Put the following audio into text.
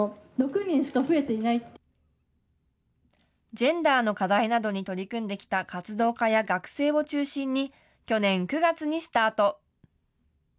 ジェンダーの課題などに取り組んできた活動家や学生を中心に、去年９月にスタート。